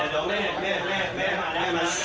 กลัวหมดเนี้ยจะถอยมา